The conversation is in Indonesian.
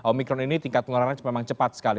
omikron ini tingkat penularannya memang cepat sekali